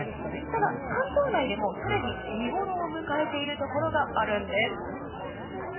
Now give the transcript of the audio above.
ただ関東内でもすでに見ごろを迎えているところがあるんです。